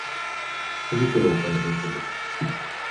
福袋を開封する